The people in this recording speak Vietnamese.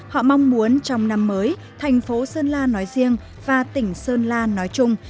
họ mong muốn trong năm mới thành phố sơn la nói riêng và tỉnh sơn la nói chung